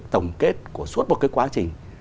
tổng kết của suốt một cái quá trình